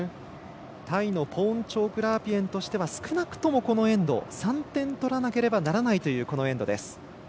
タイのポーンチョーク・ラープイェンとしては少なくともこのエンド３点取らなければならないというこのエンドです。